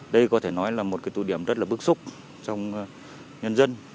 đây có thể nói là một tụ điểm rất là bức xúc trong nhân dân